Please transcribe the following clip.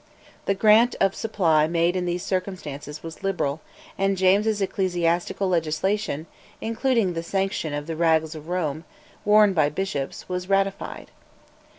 The grant of supply made in these circumstances was liberal, and James's ecclesiastical legislation, including the sanction of the "rags of Rome" worn by the bishops, was ratified.